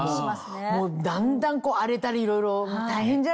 もうだんだん荒れたりいろいろ大変じゃない。